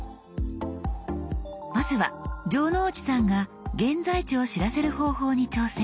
まずは城之内さんが現在地を知らせる方法に挑戦。